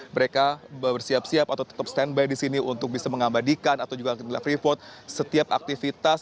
mereka bersiap siap atau tetap stand by di sini untuk bisa mengabadikan atau juga melakukan report setiap aktivitas